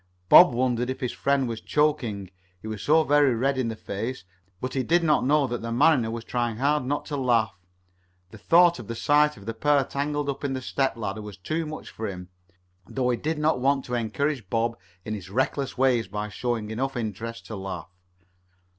Bob wondered if his friend was choking, he was so very red in the face, but he did not know that the mariner was trying hard not to laugh. The thought of the sight of the pair tangled up in the step ladder was too much for him, though he did not want to encourage Bob in his reckless ways by showing enough interest to laugh.